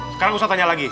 sekarang ustadz tanya lagi